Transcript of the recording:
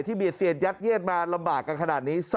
เบียดเสียดยัดเยียดมาลำบากกันขนาดนี้